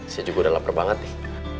saya juga udah lapar banget nih